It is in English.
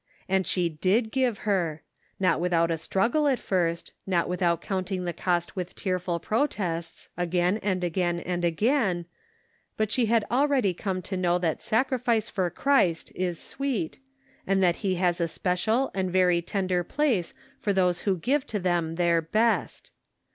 And she did give her ; not without a struggle at first, not without count ing the cost with tearful protests, again arid again and again; but she had already come to know that sacrifice for Christ is sweet, and that he has a special and very tender place for those who give to him their best.